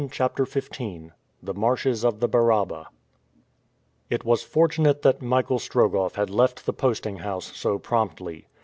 CHAPTER XV THE MARSHES OF THE BARABA IT was fortunate that Michael Strogoff had left the posting house so promptly.